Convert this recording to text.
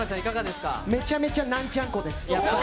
めちゃめちゃなんちゃん子です。